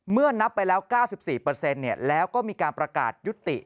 นับไปแล้ว๙๔แล้วก็มีการประกาศยุติ